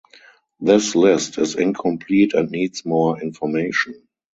This list is incomplete and needs more information.